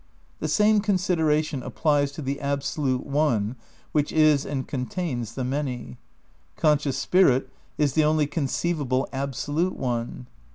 The same consideration applies to the absolute One which is and contains the Many. Conscious Spirit is the only conceivable absolute One.